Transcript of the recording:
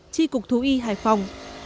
chi cục thú y hải phòng